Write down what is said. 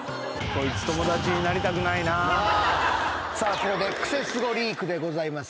ここでクセスゴリークでございます。